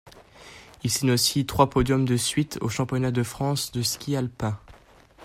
Il signe aussi trois podiums de suite aux Championnats de France de ski alpin.